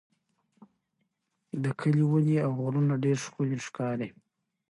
د کلي ونې او غرونه ډېر ښکلي ښکاري.